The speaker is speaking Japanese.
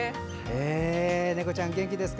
猫ちゃん、元気ですか？